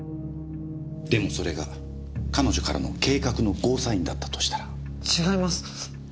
でもそれが彼女からの計画のゴーサインだったとしたら？違います。